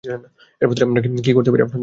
এর বদলে আমরা কি আপনাদের জন্য কিছু করতে পারি?